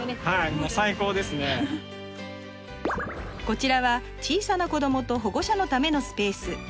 こちらは小さな子どもと保護者のためのスペース。